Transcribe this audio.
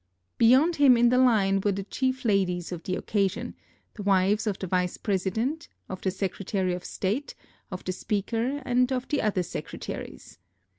Beyond him in the line were the chief ladies of the occasion, the wives of the Vice President, of the Secretary of State, of the Speaker, and of the other secretaries.